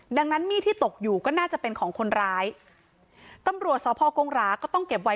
ดังนั้นมีดที่ตกอยู่ก็น่าจะเป็นของคนร้ายตำรวจสพกงราก็ต้องเก็บไว้